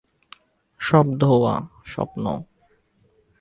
সব ধোঁওয়া, স্বপ্ন।